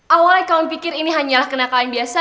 awalnya kamu pikir ini hanyalah kena kalian biasa